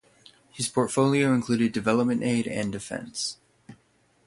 His portfolio included development aid and defense.